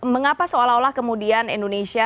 mengapa seolah olah kemudian indonesia